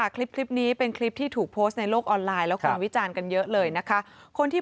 คลิปนี้เป็นคลิปที่ถูกโพสต์ในโลกออนไลน์แล้วคนวิจารณ์กันเยอะเลยนะคะ